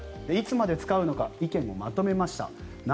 いつまで使うのか意見をまとめました。